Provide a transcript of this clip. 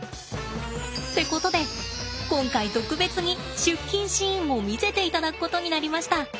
ってことで今回特別に出勤シーンを見せていただくことになりました。